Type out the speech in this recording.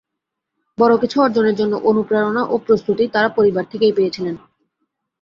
বড় কিছু অর্জনের জন্য অনুপ্রেরণা ও প্রস্তুতি তাঁরা পরিবার থেকেই পেয়েছিলেন।